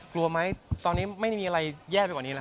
กลัวไหมตอนนี้ไม่มีอะไรแย่ไปกว่านี้